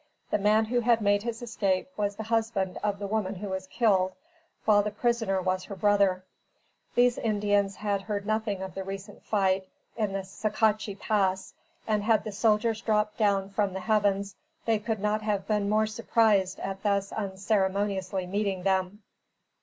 The man who had made his escape, was the husband of the woman who was killed, while the prisoner was her brother. These Indians had heard nothing of the recent fight in the Saquachi Pass, and, had the soldiers dropped down from the heavens, they could not have been more surprised at thus unceremoniously meeting them.